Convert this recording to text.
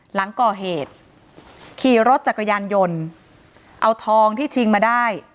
หลังก่อเหตุขี่รถจักรยานยนต์เอาทองที่ชิงมาได้